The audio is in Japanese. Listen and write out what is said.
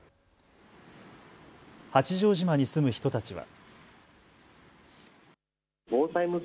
八丈島に住む人たちは。